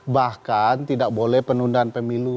bahkan tidak boleh penundaan pemilu